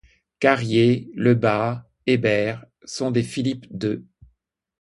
Carrier, Le Bas, Hébert, sont des Philippes deux ;